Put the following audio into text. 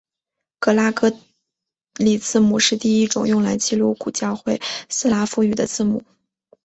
格拉哥里字母是第一种用来记录古教会斯拉夫语的字母。